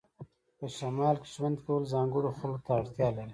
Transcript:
په شمال کې ژوند کول ځانګړو خلکو ته اړتیا لري